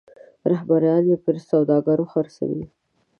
رهبران یې پر سوداګرو خرڅوي.